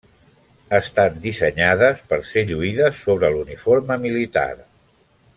Estan dissenyades per ser lluïdes sobre l'uniforme militar.